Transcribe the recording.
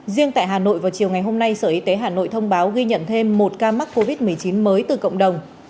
riêng tại hà nội vào chiều ngày hôm nay sở y tế hà nội thông báo ghi nhận thêm một ca mắc covid một mươi chín mới từ cộng đồng